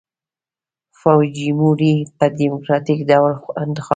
فوجیموري په ډیموکراټیک ډول انتخاب شو.